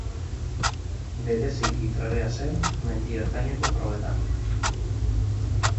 Bereziki trebea zen mendi ertaineko probetan.